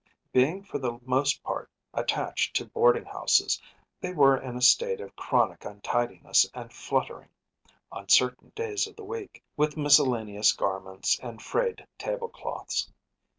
Being for the most part attached to boarding houses they were in a state of chronic untidiness and fluttering, on certain days of the week, with miscellaneous garments and frayed table cloths.